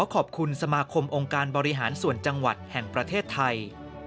ขอบคุณสมาคมองค์การบริหารส่วนจังหวัดแห่งประเทศไทย